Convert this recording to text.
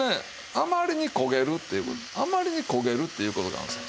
あまりに焦げるっていう事あまりに焦げるっていう事があるんですよ。